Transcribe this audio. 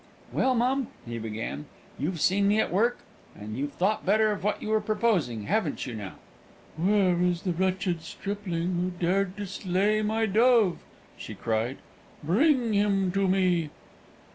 "Well, mum," he began, "you've seen me at work, and you've thought better of what you were proposing, haven't you now?" "Where is the wretched stripling who dared to slay my dove?" she cried. "Bring him to me!"